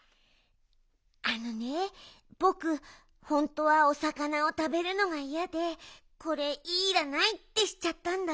あのねぼくホントはおさかなをたべるのがいやで「これいらない」ってしちゃったんだ。